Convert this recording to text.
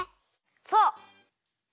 そう！